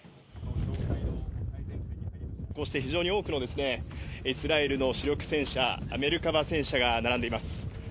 こうして非常に多くのイスラエルの主力戦車、メルカバ戦車が並んでいます。